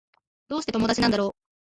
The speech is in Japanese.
どうして友達なんだろう